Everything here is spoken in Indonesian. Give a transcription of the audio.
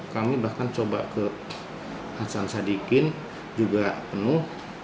kami bahkan coba ke hasan sadikin juga penuh